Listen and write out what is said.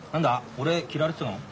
俺嫌われてたの？